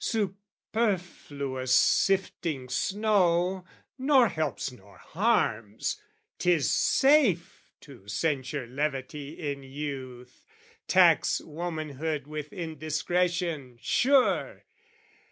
Superfluous sifting snow, nor helps nor harms: 'Tis safe to censure levity in youth, Tax womanhood with indiscretion, sure!